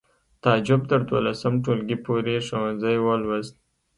تعجب تر دولسم ټولګي پورې ښوونځی ولوست